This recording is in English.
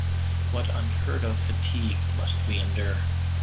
What unheard of fatigue must we endure!